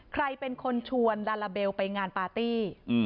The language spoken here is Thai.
ใครเป็นคนชวนลาลาเบลไปงานปาร์ตี้